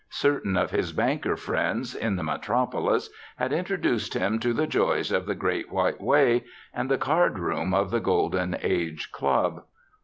Certain of his banker friends in the metropolis had introduced him to the joys of the Great White Way and the card room of the Golden Age Club.